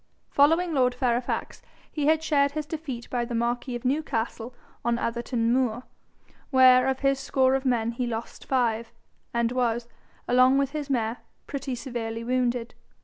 Following lord Fairfax, he had shared his defeat by the marquis of Newcastle on Atherton moor, where of his score of men he lost five, and was, along with his mare, pretty severely wounded.